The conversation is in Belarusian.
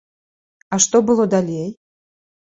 А што было далей?